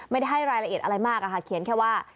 ไม่ได้ให้รายละเอียดอะไรมากอะค่ะเขียนแค่ว่า